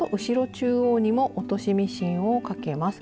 中央にも落としミシンをかけます。